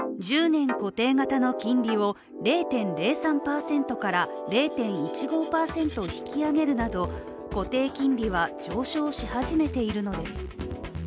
１０年固定型の金利を０．０３％から０．１５％引き上げるなど固定金利は上昇し始めているのです。